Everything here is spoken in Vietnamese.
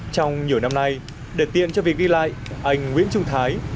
trong nhiều năm nay để tiện cho việc ghi lại anh nguyễn trung thái